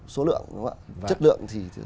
số lượng chất lượng